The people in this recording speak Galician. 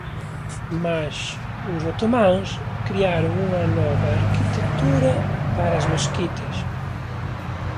Mais os otománs crearon unha nova arquitectura para as mesquitas.